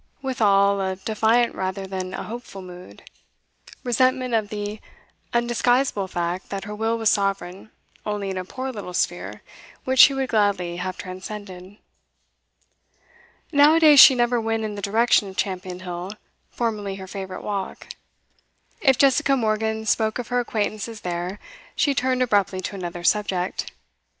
Withal, a defiant rather than a hopeful mood; resentment of the undisguisable fact that her will was sovereign only in a poor little sphere which she would gladly have transcended. Now a days she never went in the direction of Champion Hill, formerly her favourite walk. If Jessica Morgan spoke of her acquaintances there, she turned abruptly to another subject.